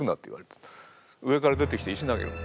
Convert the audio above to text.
上から出てきて石投げる。